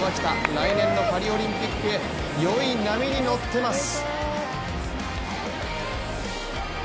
来年のパリオリンピックへよい波に乗ってます！